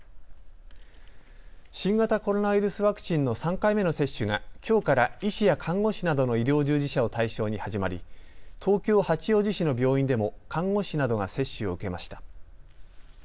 新型コロナウイルスワクチンの３回目の接種がきょうから医師や看護師などの医療従事者を対象に始まり東京八王子市の病院でも看護師などが接種を受けました。